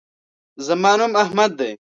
زما نوم احمد دے